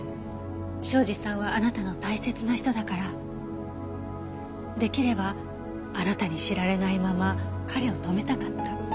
庄司さんはあなたの大切な人だからできればあなたに知られないまま彼を止めたかった。